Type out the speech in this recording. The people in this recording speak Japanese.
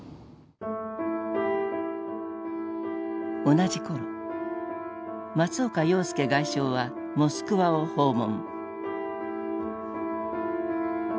同じ頃松岡洋右外相はモスクワを訪問。